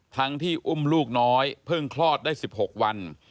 ทั้งที่อุ้มลูกน้อยเพิ่งคลอดได้๑๖วัน